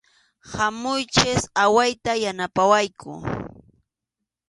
Hamuychik, awayta yanapawayku.